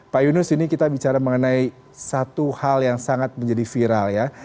pak yunus ini kita bicara mengenai satu hal yang sangat menjadi viral ya